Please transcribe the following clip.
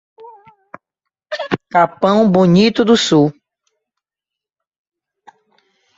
Capão Bonito do Sul